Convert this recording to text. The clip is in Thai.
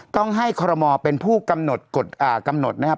ต้องให้คอรมอเป็นผู้กำหนดกฎอ่ากำหนดนะครับ